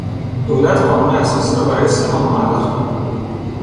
دولت قانون اساسی را برای سه ماه معلق کرد.